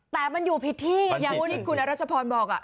แต่มันอยู่พิธีอย่างว่าที่คุณรัชพรบอก